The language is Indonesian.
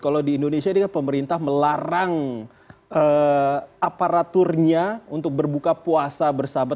kalau di indonesia ini kan pemerintah melarang aparaturnya untuk berbuka puasa bersama